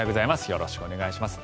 よろしくお願いします。